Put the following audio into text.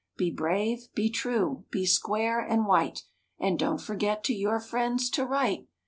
Be brave, be true, be square and white, And don't forget to your friends to write.